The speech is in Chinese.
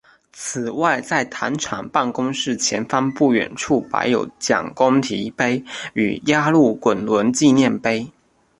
此外在糖厂办公室前方不远处摆有蒋公堤碑与压路滚轮纪念碑。